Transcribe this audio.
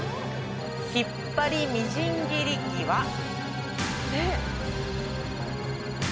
引っ張りみじん切り器は。